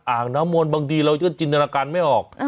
อ่างน้ำมนต์บางทีเราก็จินตนาการไม่ออก